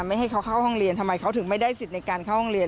ไม่ให้เขาเข้าห้องเรียนทำไมเขาถึงไม่ได้สิทธิ์ในการเข้าห้องเรียน